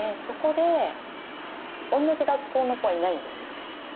そこで同じ学校の子はいないんですよ